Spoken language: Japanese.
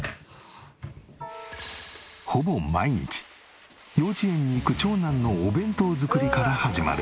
ほぼ毎日幼稚園に行く長男のお弁当作りから始まる。